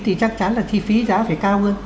thì chắc chắn là chi phí giá phải cao hơn